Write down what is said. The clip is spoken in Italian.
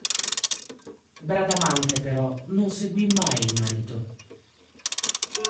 Bradamante però non seguì mai il marito.